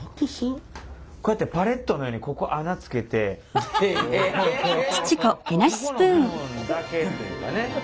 こうやってパレットのようにここここの部分だけというかね。